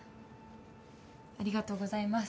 ありがとうございます